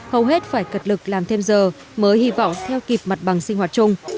hầu hết phải cật lực làm thêm giờ mới hy vọng theo kịp mặt bằng sinh hoạt chung